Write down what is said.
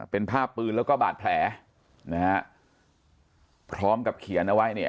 เป็นภาพปืนแล้วก็บาดแผลนะฮะพร้อมกับเขียนเอาไว้เนี่ย